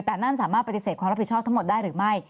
แต่นั่นสามารถปฏิเสธความรับผิดชอบทั้งหมดได้หรือไม่